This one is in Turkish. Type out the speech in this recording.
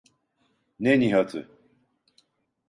Ne Nihat’ı?